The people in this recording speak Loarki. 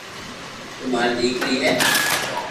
تو ماري ديڪري ھي